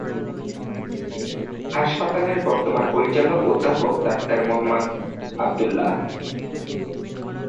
হাসপাতালের বর্তমান পরিচালক অধ্যাপক ডাক্তার মোহাম্মদ মুহাম্মদ আবদুল্লাহ।